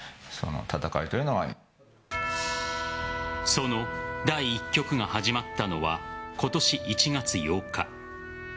その第１局が始まったのは今年１月８日。